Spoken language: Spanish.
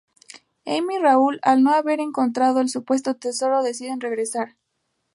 Amy y Raúl al no haber encontrado el supuesto Tesoro deciden regresar.